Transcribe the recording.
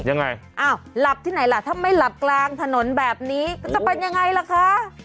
ยังไงอ้าวหลับที่ไหนล่ะถ้าไม่หลับกลางถนนแบบนี้ก็จะเป็นยังไงล่ะคะ